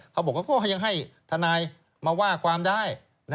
เขาบอกว่าก็ยังให้ทนายมาว่าความได้